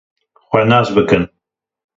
Xwe nas bikin!